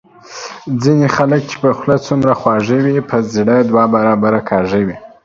ځینی خلګ چي په خوله څومره خواږه وي په زړه دوه برابره کاږه وي